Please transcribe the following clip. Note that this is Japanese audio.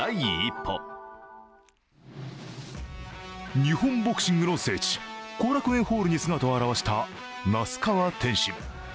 日本ボクシングの聖地、後楽園ホールに姿を現した那須川天心。